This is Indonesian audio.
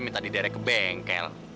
minta di daerah ke bengkel